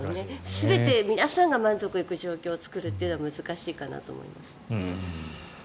全て皆さんが満足いく状況を作るのは難しいかなと思います。